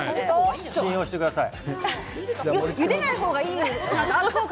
信用してください。